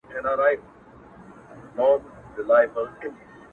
ته د سورشپېلۍ ـ زما په وجود کي کړې را پوُ ـ